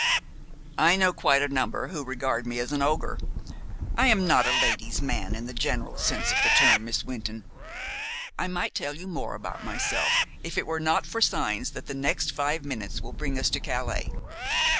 "I know quite a number who regard me as an ogre. I am not a lady's man in the general sense of the term, Miss Wynton. I might tell you more about myself if it were not for signs that the next five minutes will bring us to Calais.